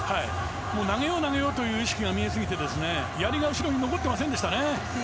もう投げようという意識が見えすぎてやりが後ろに残ってませんでしたね。